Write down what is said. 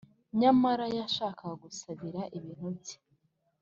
Nyamara yashaka gusabira ibintu bye,